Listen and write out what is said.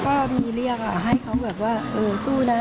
ก็มีเรียกให้เขาแบบว่าเออสู้นะ